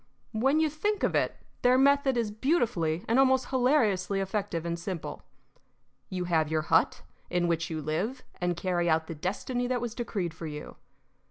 When you think of it, their method is beautifully and almost hilariously effective and simple. You have your hut in which you live and carry out the destiny that was decreed for you.